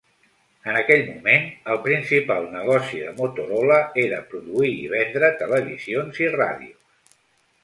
En aquell moment, el principal negoci de Motorola era produir i vendre televisions i ràdios.